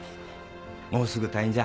もうすぐ退院じゃ。